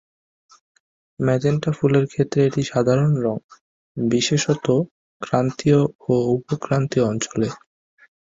Magenta ফুলের ক্ষেত্রে একটি সাধারণ রঙ, বিশেষত ক্রান্তীয় ও উপক্রান্তীয় অঞ্চলে।